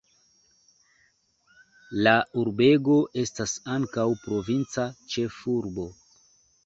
La urbego estas ankaŭ provinca ĉefurbo.